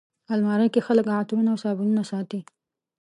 الماري کې خلک عطرونه او صابونونه ساتي